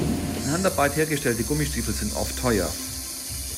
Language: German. In Handarbeit hergestellte Gummistiefel sind oft teuer.